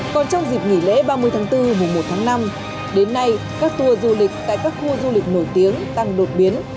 còn trong dịp nghỉ lễ ba mươi tháng bốn mùa một tháng năm đến nay các tour du lịch tại các khu du lịch nổi tiếng tăng đột biến